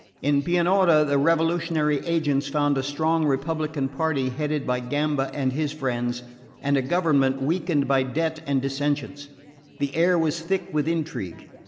In Pianura the revolutionary agents found a strong republican party headed by Gamba and his friends, and a government weakened by debt and dissensions. The air was thick with intrigue.